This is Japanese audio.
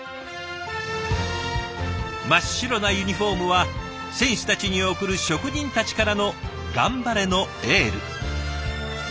真っ白なユニフォームは選手たちに送る職人たちからの「頑張れ」のエール。